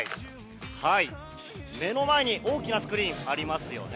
目の前に大きなスクリーンがありますよね。